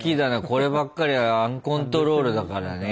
こればっかりはアンコントロールだからね。